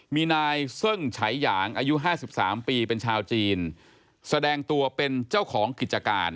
มีนายเซิ่งฉายหยางอายุ๕๓ปีเป็นชาวจีนแสดงตัวเป็นเจ้าของกิจการ